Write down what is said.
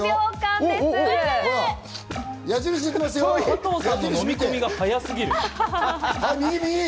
加藤さんの飲み込みが早すぎる！